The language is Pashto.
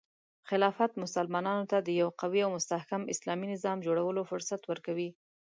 خلافت مسلمانانو ته د یو قوي او مستحکم اسلامي نظام جوړولو فرصت ورکوي.